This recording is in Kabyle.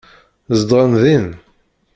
Zedɣen din.